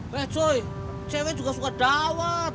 pejoy cewek juga suka dawet